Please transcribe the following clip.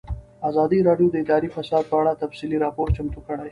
ازادي راډیو د اداري فساد په اړه تفصیلي راپور چمتو کړی.